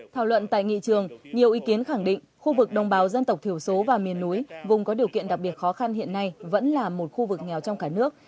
thảo luận tại nghị trường nhiều ý kiến khẳng định khu vực đồng bào dân tộc thiểu số và miền núi vùng có điều kiện đặc biệt khó khăn hiện nay vẫn là một khu vực nghèo trong cả nước